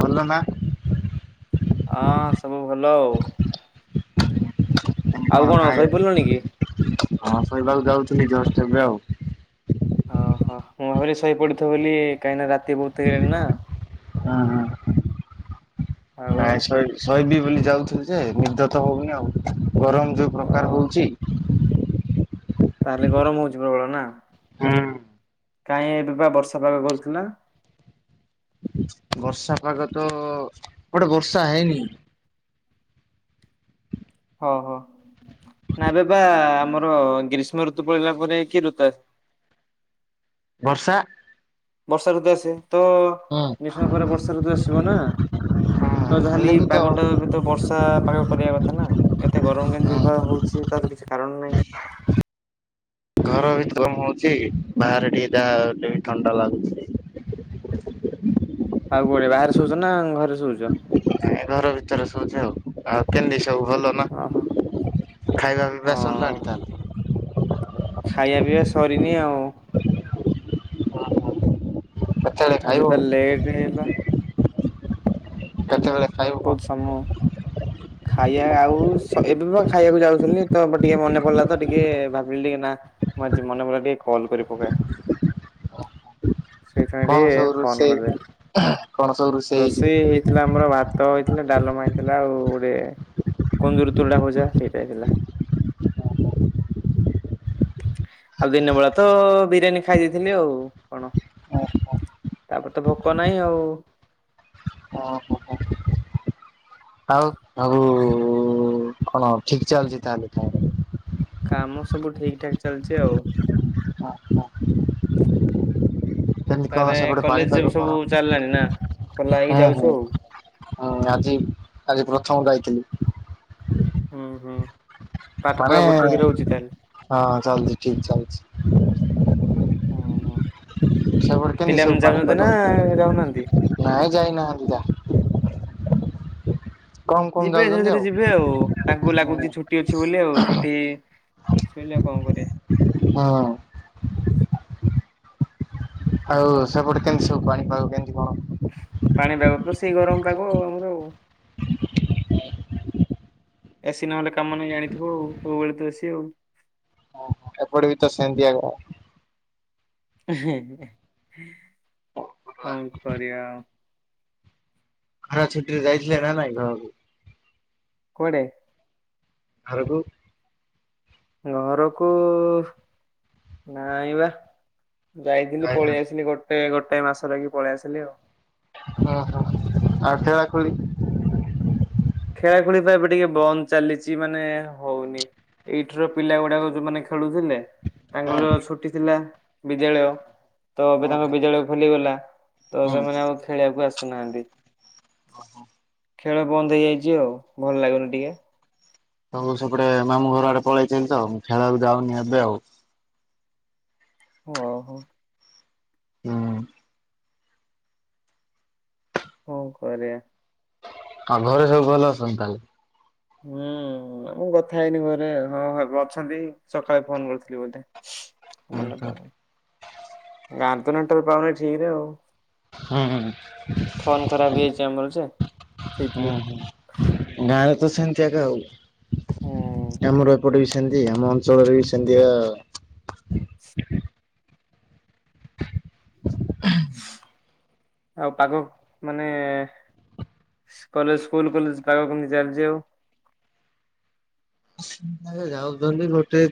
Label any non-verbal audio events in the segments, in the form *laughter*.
ଭଲ ନା। ହଁ ସବୁ ଭଲ ଆଉ। ଆଉ ହଁ କଣ ଖାଇ ଶୋଇପଡ଼ିଲଣି କି? ହଁ ଶୋଇବାକୁ ଯାଉଥିଲି ଜଷ୍ଟ ଏବେ ଆଉ। ଓହୋ ମୁଁ ଭାବିଲି ଶୋଇ ପଡିଥିବ ବୋଲି କାହିଁକି ନା ରାତି ବହୁତ ତ ହେଲାଣି ନା ହଁ ହଁ। ଆଉ ନାଇଁ ଶୋଇବି ବୋଲି ଯାଉଥିଲି ଯେ ନିଦ ତ ହଉନି ଆଉ ଗରମ ଯୋଉ ଓ ପ୍ରକାର ହଉଚି ତାହେଲେ ଗରମ ହଉଚି ପ୍ରବଳ ନା? ହୁଁ। କାଇଁ ଏବେ ବା ବର୍ଷା ପାଗ କରୁଥିଲା। ବର୍ଷା ପାଗ ତ ଏପଟେ ବର୍ଷା ହେଇନି। ଓ ହୋ ନା ଏବେ ବା ଆମର ଗ୍ରୀଷ୍ମଋତୁ ପଳେଇଲା ପରେ, କି ଋତୁ ଆ ବର୍ଷା। ବର୍ଷା ଋତୁ ଆସେ, ତ ହଁ ଗ୍ରୀଷ୍ମ ପରେ ବର୍ଷାଋତୁ ଆସିବ ନା, ତ ହେଲେ ଯାହେଲେବି ବି ତ ପାଗଟା ତ ବର୍ଷା ପାଗ କରିବା କଥା ନା, ଏତେ ଗରମ କେମିତି ବା ହଉଛି ତାର ତ କିଛି କାରଣ ନାହିଁ। ଘର ବି ଗରମ ହଉଛି, ବାହାରେ ଟିକେ ଯାହା ହେଲେବି ଥଣ୍ଡା ଲାଗୁଛି। ଆଉ କୁଆଡେ ବାହାରେ ଶୋଉଛ ନା ଘରେ ଶୋଉଛ? ନାଇ ଘର ଭିତରେ ଶୋଉଛି ଆଉ, ଆଉ କେମତି ସବୁ ଭଲ ନା? ଓ ହୋ। ଖାଇବା ପିଇବା ସାରିଲାଣି ତାହାଲେ? ଖାଇବା ପିଇବା ସ ସରିନି ଆଉ। କେତେବେଳେ ଖାଇବ ଆଜି ପା ଲେଟ୍ ହେଇଗଲା। କେତେବେଳେ ଖାଇବୁ କଣ? ସମୁ ଖାଇବା ଆଉ ଏବେ ପା ଖାଇବାକୁ ଯାଉଥିଲି ତ, ଏବେ ଟିକେ ମନେ ପଡିଲା ତ ଟିକେ ଭାବିଲି ଟିକେ ନା ମୋର ଆଜି ମନେ ପଡ଼ିଲା ଟିକେ କଲ୍ କରି ପକାଏ। ସେଇଥିପାଇଁ ଟିକେ କଣ ସବୁ ଫୋନ୍ ରୋଷେଇ, କରିଦେଲି। କଣ ସବୁ ରୋଷେଇ ହେଇଛି? *unintelligible* ଆମର ଭାତ ହେଇଥିଲା, ଡାଲମା ହେଇଥିଲା ଆଉ ଏ କୁନ୍ଦୁରୁ ତୁଡ଼ା ଭଜା ସେଇଟା ହେଇଥିଲା। ଆଉ ଦିନ ବେଳା ତ ବିରିୟାନୀ ଖାଇ ଦେଇଥିଲି ଆଉ କଣ। ହେଇଛି? ତାପରେ ତ ଭୋକ ନାହିଁ ଆଉ। ଓ ହୋ ହୋ। ଆଉ ଆଉ କଣ ଠିକ୍ ଚାଲିଛି ତାହେଲେ କାମ। କାମ ସବୁ ଠିକ୍ ଠାକ୍ ଚାଲିଛି ଆଉ। କେମିତି କଣ ତାହେଲେ ସେପଟେ କଲେଜ ପାଣିପାଗ କଣ? ସବୁ ଚାଲିଲାଣି ନା, ଖୋଲା ହେଇକି ହୁଁ ହୁଁ ଯାଉଛୁ ଆଉ। ହୁଁ ଆଜି ଆଜି ପ୍ରଥମ ଯାଇଥିଲି। ହୁଁ -ହୁଁ। ପାଠ ମାନେ ପଢା ପଢି ଠିକ ରହୁଛି ତାହେଲେ ହଁ ଚାଲଛି ଠିକ୍ ଚାଲଛି। ହୁଁ - ହୁଁ। ସେପଟେ କେମିତି ସବୁ ପାଣି ପାଗ? ଯାଉନାହାନ୍ତି? ନାଇଁ ଯାଇନାହାନ୍ତି ଯା କମ କମ ଯିବେ ଧୀରେ ଯାଉଛନ୍ତି ଧୀରେ ଯିବେ ଆଉ। ତାଙ୍କୁ ଲାଗୁଛି ଛୁଟି ଅଛି ବୋଲି ଆଉ, ଛୁଟି ସଇଲେ ଆଉ କଣ କରିବେ? ହଁ। ଆଉ ସେପଟେ କେମିତି ସବୁ ପାଣି ପାଗ କେମିତି କଣ? ପାଣି ପାଗ ତ ସେଇ ଗରମ ପାଗ ଆଉ ଆମର ଆଉ। ଏ ସି ନହେଲେ କାମ ନାଇ ଜାଣିଥିବ ଆଉ, ସବୁବେଳେ ତ ଏ ସି ଆଉ। ଏପଟେ ବି ତ ସେନ୍ତିଆ କଣ କରିବା ଆଉ? ଖରା ଛୁଟିରେ ଯାଇଥିଲେ ନା ନାଇଁ ଘରକୁ? କୁଆଡେ? ଘରକୁ। ଘରକୁ ନାଇଁବା। ଯାଇଥିଲି ଯାଇନା ପଳେଇ ଆସିଲି ଗୋଟେ ଗୋଟେ ମାସ ରହିକି ପଳେଇ ଆସିଲି ଆଉ। ଓ ହୋ ଆଉ ଖେଳା ଖୁଳି। ଖେଳାଖେଳି ବା ଏବେ ଟିକେ ବନ୍ଦ ଚାଲିଛି ମାନେ ହଉନି। ଏଇଠି୍ ର ପିଲା ଗୁଡାକ ଯୋଉମାନେ ଖେଳୁଥିଲେ। ତାଙ୍କର ଛୁଟି ଥିଲା ବିଦ୍ୟାଳୟ ତ ଏବେ ତାଙ୍କ ବିଦ୍ୟାଳୟ ଖୋଲିଗଲା। ତ ସେମାନେ ଆଉ ଖେଳିବାକୁ ଆସୁନାହାନ୍ତି। ଓ ହୋ। ଖେଳ ବନ୍ଦ ହେଇଯାଇଛି ଆଉ ଭଲ ଲାଗୁନି ଟିକେ। ସବୁ ସେପଟେ ମାମୁଁ ଘର ଆଡେ ପଳେଇଛନ୍ତି ତ ମୁଁ ଖେଳିବାକୁ ଯାଉନି ଏବେ ଆଉ। ଓହୋ। ହୁଁ। କଁ କରିବା। ଆଉ ଘରେ ସବୁ ଭଲ ଅଛନ୍ତି ତାହେଲେ। ହୁଁ। ହୁଁ ମୁଁ କଥା ହେଇନି ଘରେ ହଁ ଏବେ ଅଛନ୍ତି ସକାଳେ ଫୋନ କରିଥିଲି ବୋଧେ। ମନେ‌ ପଡୁନି ଗାଁ ରେ ତ ନେଟୱର୍କ ପାଉନି ଠିକ୍ ରେ ଆଉ। ହୁଁ ଫୋନ ଖରାପ ହୁଁ ହେଇଯାଇଛି ଆମର ଯେ ସେଇଥିପାଇଁ ହୁଁ ହୁଁ। ଗାଁରେ ତ ସେମିତି ଏକା ଆଉ ହୁଁ ଆମର ଏପଟେ ବି। ସେମତି ଆମ ଅଞ୍ଚଳରେ ବି ସେମିତିଆ। ? ଆଉ ପାଗ ମାନେ କଲେଜ ସ୍କୁଲ କଲେଜ ପାଗ କେମିତି ଚାଲିଛି ଆଉ। ସେମାନେ ଯାଉଛନ୍ତି ଗୋଟେ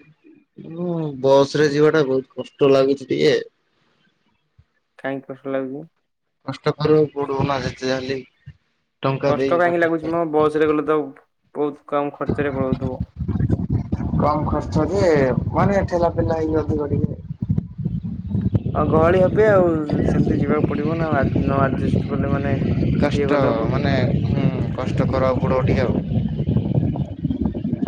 କିନ୍ତୁ ବସ ରେ ଯିବା ଟା ବହୁତ କଷ୍ଟ ଲାଗୁଛି ଟିକେ। କାହିଁକି କଷ୍ଟ ଲାଗୁଛି। କଷ୍ଟ କରିବାକୁ ପଡିବ ନା ଯେତେ ଯା ହେଲେବି। କଷ୍ଟ କାହିଁକି ଲାଗୁଛି ମ ବସ ରେ ଗଲେ ତ ବହୁତ କମ ଖର୍ଚ୍ଚ ରେ ପଳଉଥିବ। କମ୍ ଖର୍ଚ୍ଚ ଯେ ମାନେ ଠେଲା ପେଲା ହେଇକି ଅଧିକ ଟିକେ ହଁ ଗହଳି ହେବ ଆଉ ସେମିତି ଯିବାକୁ ପଡିବ ନା ଆଉ ନ ଆଡଜଷ୍ଟ କଲେ ମାନେ। ଇଏ କଷ୍ଟ କଲେ ହବ କି ମାନେ ହୁଁ କଷ୍ଟ କରିବାକୁ ପଡିବ ଟିକେ ଆଉ।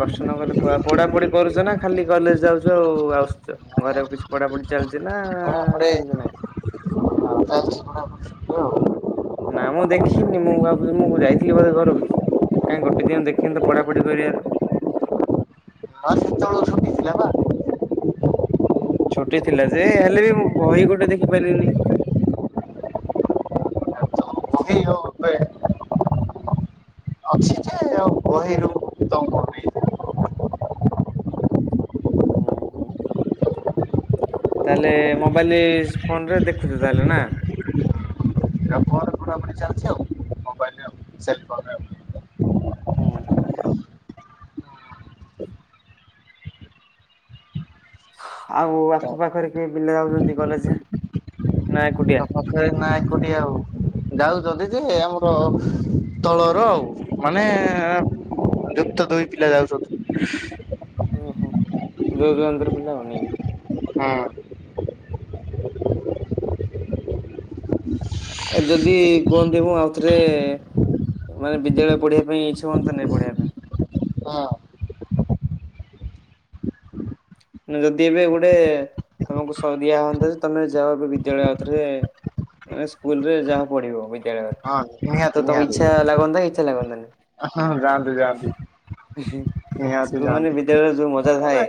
କଷ୍ଟ ନ କଲେ ପା ପଢାପଢି କରୁଛ ନା ଖାଲି କଲେଜ ଯାଉଛ ଆଉ ଆସୁଛ। ଘରେ ଆଉ କିଛି ପଢା ପଢି ଚାଲିଛି ନା ସେମତି ନାହିଁ। ହଁ ଚାଲିଛି ପଢାପଢି ସେମିତି ଆଉ। ନା ମୁଁ ଦେଖିନି ମୁଁ ଭାବୁଛିି ମୁଁ ଯାଇଥିଲି ବୋଧେ ଘରୁକୁ। କାଇଁ ଗୋଟେ ଦିନ ଦେଖିନି ତ ପଢା ପଢି କରିବାର। ହଁ ସେତବେଳ‌ ଛୁଟିି ଥିଲା ନା। ଛୋଟି ଥିଲା ଯେ ହେଲେ ବି ମୁଁ ବହି ଗୋଟେ ଦେଖିପାରିଲିନି। ବହି ଆଉ ଏବେ ଅଛି ଯେ ଆଉ ବହିରୁ ତମକୁ ନେଇଥିଲି ହୁଁ ହୁଁ। ତାହେଲେ ମୋବାଇଲ ଫୋନରେ ଦେଖୁଛୁ ତାହେଲେ ନା। ମୋର ପୁରା ପୁରି ଚାଲିଛି ଆଉ ମୋବାଇଲରେ ଆଉ। ସେଲଫର ରେ ଆଉ। ହୁଁ ହୁଁ। ଆଉ ଆଖୁ ପାଖରେ କିଏ ପିଲା ଯାଉଛନ୍ତି କଲେଜ ନା ଏକୁଟିଆ। ଆଖ ପାଖ ରେ ନା ଏକୁଟିଆ ଆଉ ଯାଉଛନ୍ତି ଯେ ଆମର ତଳର ଆଉ। ମାନେ ଯୁକ୍ତ ଦଇ ପିଲା ଯାଉଛନ୍ତି। ଓହୋ ଦୂର ଦୁରନ୍ତରୁ ପିଲା ଆଉ ନାଇଁ କି? ହଁ। *unintelligible* ଆ ଯଦି କୁହନ୍ତି ମୁଁ ଆଉଥରେ ମାନେ ବିଦ୍ୟାଳୟ ପଢ଼ିବା ପାଇଁ ଇଚ୍ଛା ହୁଅନ୍ତା ନି ପଢିବା ପାଇଁ। ହଁ ନା ଯଦି ଏବେ ଗୋଟେ ତମକୁ ଦିଆ ହଅନ୍ତା ଯେ ତମେ ଯାଅ ଏବେ ବିଦ୍ୟାଳୟ ଆଉଥରେ ମାନ ସ୍କୁଲରେ ଯାହା ପଢିବ ବିଦ୍ୟାଳୟରେ ହଁ ନିହାତି ତ ତମକୁ ଇଛା ଲାଗନ୍ତା କି ଇଛା ଲାଗନ୍ତାନି? ହ ଯାଆନ୍ତି ଯାଆନ୍ତି ନିହାତି ସ୍କୁଲ ମାନେ ଯାଆନ୍ତି ବିଦ୍ୟାଳୟରେ ଯୋଉ ମଜା ମାନେ ଥାଏ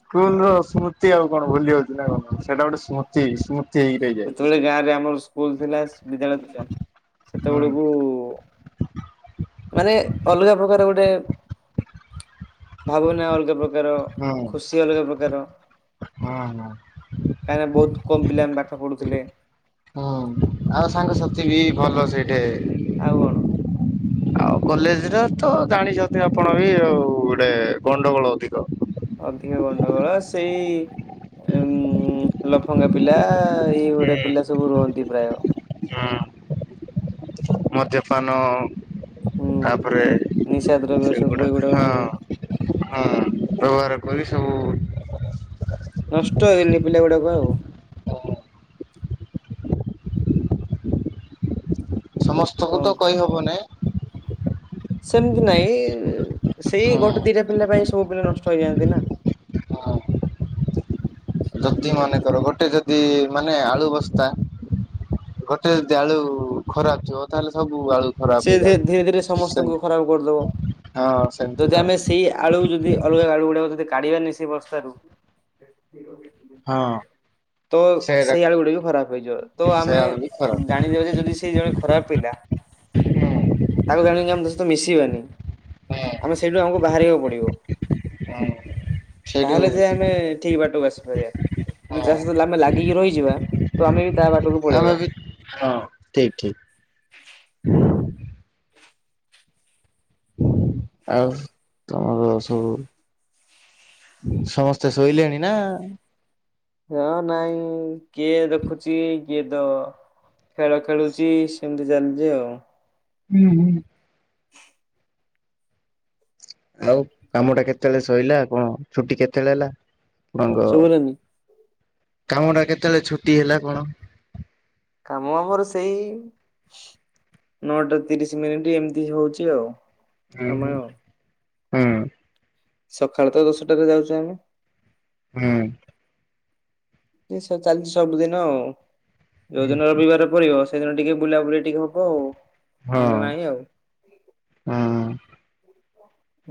ସ୍କୁଲ ର ସ୍ମୃତି ଆଉ କଣ ଭୁଲି ହବକି ନା କଣ ସେଇଟା ଗୋଟେ ସ୍ମୃତି ସ୍ମୃ ସେତେବେଳେ ଗାଁ ରେ ଆମର ସ୍କୁଲ ଥିଲା ବିଦ୍ୟାଳୟ ଥିଲା। ହୁଁ ସେତେବେଳକୁ ମାନେ ଅଲଗା ପ୍ରକାର ଗୋଟେ ଭାବନା ଅଲଗା ପ୍ରକାର ହୁଁ ଖୁସି ଅଲଗା ପ୍ରକାର। ହୁଁ ହୁଁ। କାହିଁକିନା ବହୁତ କମ ପିଲା ପାଠ ପଢୁଥିଲେ। ହୁଁ ଆଉ ସାଙ୍ଗସାଥି ବି ଭଲ ସେଇଠେ ଆଉ କଣ? *unintelligible* ଆଉ କଲେଜରେ ତ ଜାଣିଛନ୍ତି ଆପଣ ବି ଆଉ ଗୋଟେ ଗଣ୍ଡଗୋଳ ଅଧିକ। ଅଧିକ ଗଣ୍ଡଗୋଳ ସେଇ ଉ ଲ ଲଫଙ୍ଗା ପିଲା ଏଇ ଭଡ଼ିଆ ପିଲା ସବୁ ରୁହନ୍ତି ପ୍ରାୟ। ହୁଁ। ମଦ୍ୟପାନ ହୁଁ। ତାପରେ ନିଶା ଦ୍ରବ୍ୟ ସେ ସବୁ ଏଗୁଡାକ ଗୋଡ଼ାକ ସବୁ ହଁ ହୁଁ ବ୍ୟବହାର କରି ସବୁ ନଷ୍ଟ ହେଇଗଲିଣିି ପିଲାଗୁଡାକୁ ଆଉ। ସମସ୍ତଙ୍କୁ କଣ ତ କହିହବନି। ସେମିତି ନାଇଁ ସେଇ ହଁ ଗୋଟେ ଦିଟା ପିଲା ପାଇଁ ସବୁ ପିଲା ନଷ୍ଟ ହେଇଯାଆନ୍ତି ନା। ହଁ *inaudible* ଯଦି ମନେକର ଗୋଟେ ଯଦି ମାନେ ଆଳୁ ବସ୍ତା ଗୋଟେ ଯଦି ଆଳୁ ଖରାପ ଥିବ ତାହେଲେ ସବୁ ଆଳୁ ସେ ଖରାପ ଧୀରେ ଧୀରେ ହେଇଯାଏ ସମସ୍ତଙ୍କୁ ଖରାପ କରିଦବ। ସେମ ହଁ ଯଦି ସେମିତିକା ଆମେ ଆଉ। ସେଇ ଆଳୁ ଯଦି ଅଲଗା ଆଳୁ ଗୁଡାକେ କାଢିବାନି ସେ ବସ୍ତାରୁ ହଁ। ତ ସେଟା ସେଇ ଆଳୁ ଗୁଡା ବି ଖରାପ ହେଇଯିବ ତ ସେ ଆମେ ଆଳୁ ବି ଖରାପ। ଜାଣିଦେବା ଯେ ଯଦି ସେ ଜଣେ ଖରାପ ପିଲା। ତାକୁ ଜାଣିକି ଆମେ ତା ସହିତ ମିଶିବାନି ହଁ ଆମେ ସେଇଠୁ ଆମକୁ ବାହାରିବାକୁ ପଡିବ। ହଁ ସେଇଠୁ ତାହେଲେ ଯେ ଆମେ ଠିକ ବାଟକୁ ଆସିପାରିବା। ଯାହା ସହିତ ଆମେ ଲାଗିକି ରହିଯିବା ତ ଆମେ ବି ତା ବା ଆମେ ବି ହଁ ଠିକ ଠିକ। ଆଉ ତମର ସବୁ ସମସ୍ତେ ଶୋଇଲେଣି ନା? ହଁ ନାଇଁ କିଏ ଦେଖୁଛି କିଏ ଦ ଖେଳ ଖେଳୁଛି ସେମିତି ଚାଲିଛି ଆଉ। ହୁଁ ହୁଁ। ଆଉ କାମ ଟା କେତେବେଳେ ସଇଲା କଣ ଛୁଟି କେତେବେଳେ ହେଲା ଆଣଙ୍କ ଶୁଭିଲାନି କାମଟା କେତେବେଳେ ଛୁଟି ହେଲା କଣ? କାମ ଆମର ସେଇ ନଅଟା ତିରିଶ ମିନିଟ୍ ଏମିତି ହଉଛି ଆଉ। ହୁଁ ହୁଁ ସମୟ। ହୁଁ। ସକାଳେ ତ ଦଶଟାରେ ଯାଉଛେ ଆମେ। ହୁଁ। ଏସ ଚାଲିଛି ସବୁଦିନ ଆଉ ହୁଁ ଯୋଉଦିନ ରବିବାର ପଡ଼ିବ ସେଇଦିନ ଟିକେ ବୁଲାବୁଲି ଟିକେ ହବ ଆଉ ନହେଲେ ହଁ ନାଇଁ ଆଉ। ହଁ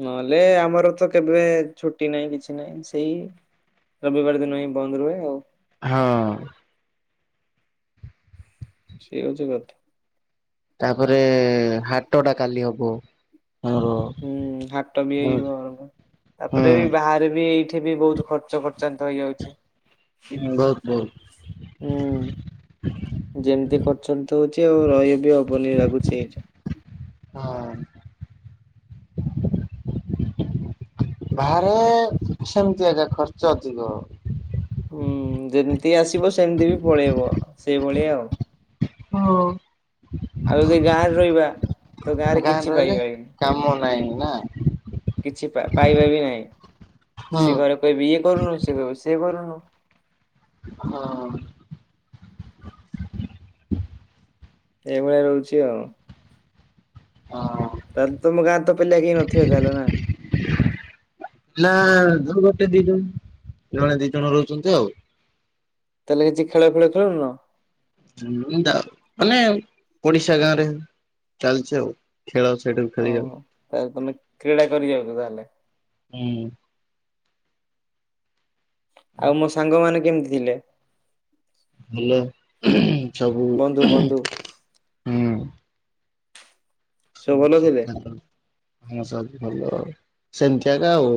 ନହେଲେ ଆମର ତ କେବେ ଛୁଟି ନାହିଁ କିଛି ନାହିଁ ସେଇ ରବିବାର ଦିନ ହିଁ ବନ୍ଦ ରୁହେ ଆଉ। ହଁ। ସେ ହେଉଛି କଥା। ତାପରେ ହାଟଟା କାଲି ହବ ଆମର। ହୁଁ ହାଟ ବି ହୁଁ ହେଇବ ବହୁତ ତାପରେ ବି ବାହାରେ ବି ଏଇଠି ବି ବହୁତ ଖର୍ଚ୍ଚ ଖର୍ଚ୍ଚାନ୍ତ ହେଇଯାଉଛି। ହଁ ବହୁତ ବହୁତ। ହୁଁ ଯେମିତି ଖର୍ଚ୍ଚାନ୍ତ ହଉଛି ଆଉ ରହିଵି ହବନି ଲାଗୁଚି ଏଠି। ହଁ। ବାହାରେ। ହେସ୍। ସେମିତି ଆଜ୍ଞା ଖର୍ଚ୍ଚ ଅଧିକ। ହୁଁ ଯେମିତି ଆସିବ ସେମିତି ବି ପଳେଇବ ସେଇଭଳିଆ ଆଉ ଓ। ଆଉ ଯଦି ଗାଁ ରେ ରହିବା ତ ଗାଁ ରେ ଗାଁରେ କିଛି ରହିଲେ ପାଇବାନି। କାମ ନାହିଁ ନା। କିଛି ପା ପାଇବା ବି ନାହିଁ ହୁଁ ସେ ଘରେ କହିବି ଏ କରୁନୁ ସେ କହିବ ସିଏ କରୁନୁ। ହଁ। ଏଇଭଳିଆ ରହୁଛି ଆଉ ହଁ। ତାହେଲେ ତମ ଗାଁ ରେ ତ ପିଲା କେହି ନଥିବେ ତାହେଲେ ନା? ନା ହେଲା ଧ୍ରୁବ ଟେ ଦେଇଦେବୁ ଜଣେ ଦି ଜଣ ରହୁଛନ୍ତି ଆଉ। ତାହେଲେ କିଛି ଖେଳ ଫେଳ ଖେଳୁନ? ଏମିତି ଆଉ ମାନେ ପଡିଶା ଗାଁ ରେ ଚାଲଛି ଆଉ। ଖେଳ ସେଇଠୁ ଓ ଖେଳିବା ତାଲେ ତମେ କ୍ରୀଡ଼ା କରି ଯାଉଛ ତାହେଲେ। ହୁଁ ହୁଁ। ଆଉ ମୋ ସାଙ୍ଗ ମାନେ କେମିତି ଥିଲେ? ଭଲ ସବୁ। ବନ୍ଧୁ ବନ୍ଧୁ ହୁଁ ସବୁ ଭଲ ଥିଲେ? ହଁ ସବୁ ଭଲ ଆଉ ସେମିତିଆଗ ଆଉ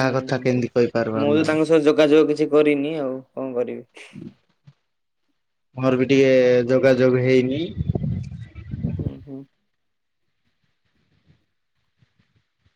ହୁଁ କଥା ହୁଁ କେମିତି କହିପାରବା ଆମେ ଆଉ? ମୁଁ ତ ଆଉ ଯୋଗାଯୋଗ କିଛି କରିନି ଆଉ କଣ କରିବି? ମୋର ବି ଟିକେ ଯୋଗାଯୋଗ ହେଇନି। ହୁଁ ହୁଁ।